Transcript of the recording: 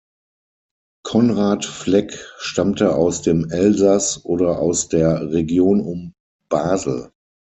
Konrad Fleck stammte aus dem Elsass oder aus der Region um Basel.